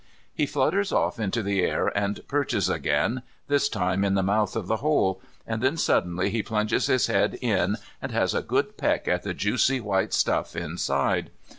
He flutters off into the air and perches again, this time in the mouth of the hole; and then suddenly he plunges his head in and has a good peck at the juicy white stuff inside.